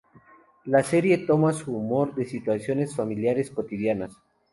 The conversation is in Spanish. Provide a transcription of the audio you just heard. La serie toma su humor de situaciones familiares cotidianas.